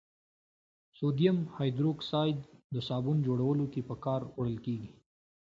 سودیم هایدروکساید د صابون جوړولو کې په کار وړل کیږي.